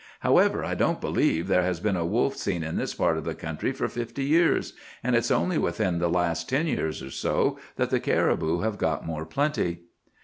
However, I don't believe there has been a wolf seen in this part of the country for fifty years, and it's only within the last ten years or so that the caribou have got more plenty."